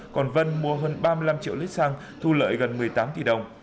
còn vân mua hơn ba mươi năm triệu lít xăng thu lợi gần một mươi tám tỷ đồng